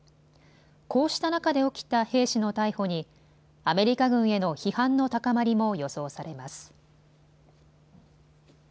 こうした中で起きた兵士の逮捕にアメリカ軍への批判の高まりも予想されます。